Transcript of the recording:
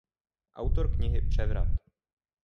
Autor knihy "Převrat".